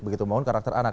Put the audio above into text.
membangun karakter anak